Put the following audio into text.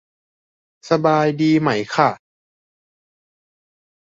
สบายดีไหมค่ะ